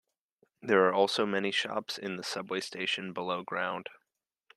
There are also many shops in the subway station below ground.